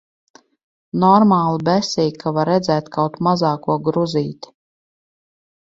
Normāli besī, ka var redzēt kaut mazāko gruzīti.